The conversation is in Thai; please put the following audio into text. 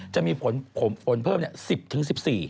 จะมีผลผลเพิ่มเนี่ย